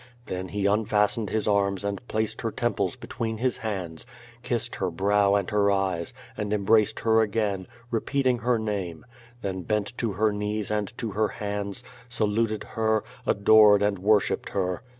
Then he unfastened his arms and placed her tem ples between his hands, kissed her brow and her eyes, and embraced her again, repeating her name, then bent to her knees and to her hands, saluted her, adored and worshipped her.